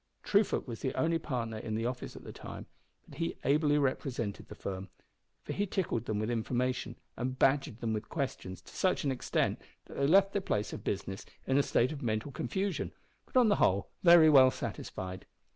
Truefoot was the only partner in the office at the time, but he ably represented the firm, for he tickled them with information and badgered them with questions to such an extent that they left the place of business in a state of mental confusion, but on the whole, very well satisfied.